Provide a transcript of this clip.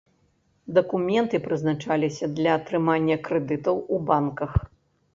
Дакументы прызначаліся для атрымання крэдытаў у банках.